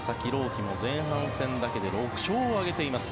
希も前半戦だけで６勝を挙げています。